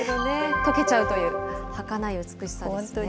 とけちゃうというはかない美しさ本当に。